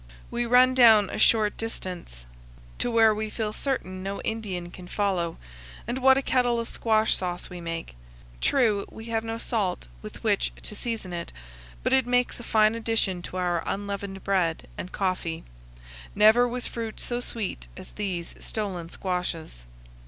We run down a short distance to where we feel certain no Indian can follow, and what a kettle of squash sauce we make! True, we have no salt with which to season it, but it makes a fine addition to our unleavened bread and coffee. Never was fruit so sweet as these stolen squashes.